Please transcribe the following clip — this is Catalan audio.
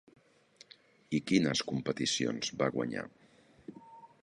I quines competicions va guanyar?